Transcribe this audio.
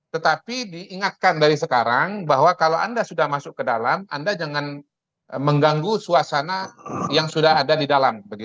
tetapi diingatkan dari sekarang bahwa kalau anda sudah masuk ke dalam anda jangan mengganggu suasana yang sudah ada di dalam